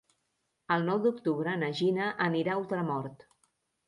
El nou d'octubre na Gina anirà a Ultramort.